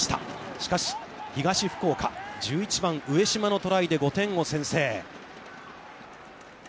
しかし、東福岡、１１番、上嶋のトライで５点を先制。